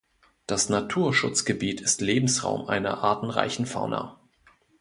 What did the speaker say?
Das Naturschutzgebiet ist Lebensraum einer artenreichen Fauna.